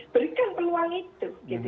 berikan peluang itu